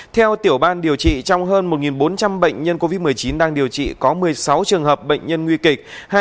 theo tiểu ban điều trị trong hơn một bốn trăm linh bệnh nhân covid một mươi chín đang điều trị có một mươi sáu trường hợp bệnh nhân nguy kịch